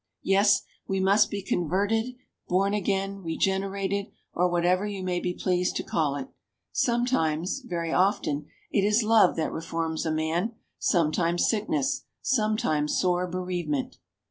Yes, we must be "converted," "born again," "regenerated," or whatever you may be pleased to call it. Sometimes very often it is love that reforms a man, sometimes sickness, sometimes sore bereavement.